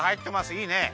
いいね。